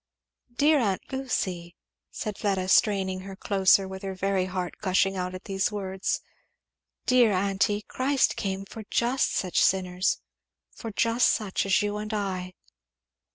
"Dear aunt Lucy!" said Fleda, straining her closer and with her very heart gushing out at these words, "dear aunty Christ came for just such sinners! for just such as you and I."